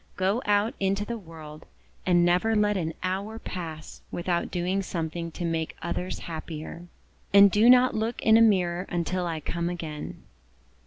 Go out into the world, and never let an hour pass without doing something to make others happier. And do not look in a mirror until I come again."